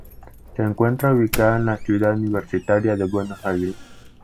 Se encuentra ubicado en la Ciudad Universitaria de Buenos Aires.